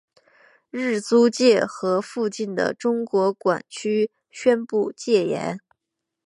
日租界和附近的中国管区宣布戒严。